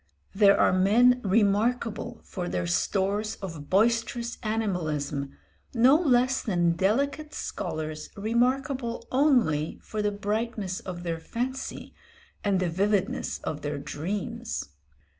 There are men remarkable for their stores of boisterous animalism, no less than delicate scholars remarkable only for the brightness of their fancy and the vividness of their dreams.